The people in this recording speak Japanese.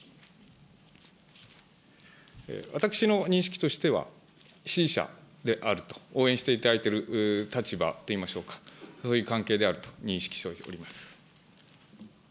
私の認識としては、支持者であると、応援していただいている立場といいましょうか、そういう関係であると認識しております。